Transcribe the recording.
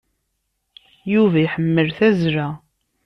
Yuba iḥemmel tazla.